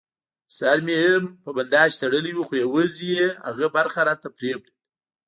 سر مې هم په بنداژ تړلی و، خو یوازې یې هغه برخه راته پرېولل.